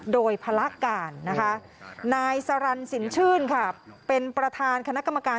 โดยภาระการนะคะนายสรรสินชื่นค่ะเป็นประธานคณะกรรมการ